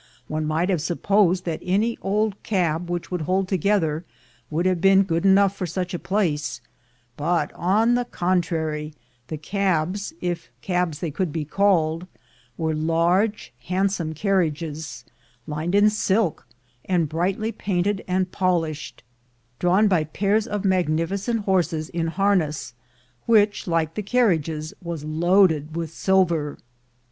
One might have supposed that any old cab which would hold together would have been good enough for such a place; but, on the contrary, the cabs — if cabs they could be called — were large hand some carriages, lined with silk, and brightly painted and polished, drawn by pairs of magnificent horses, in harness, which, like the carriages, was loaded with silver.